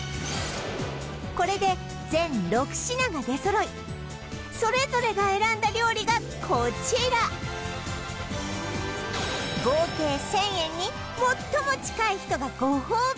これで全６品が出そろいそれぞれが選んだ料理がこちら合計１０００円に最も近い人がご褒美